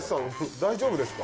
大丈夫ですか？